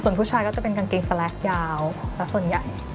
ผู้ชายก็จะเป็นกางเกงสแลกยาวสักส่วนใหญ่